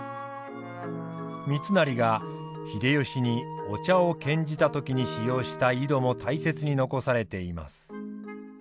三成が秀吉にお茶を献じた時に使用した井戸も大切に残されています。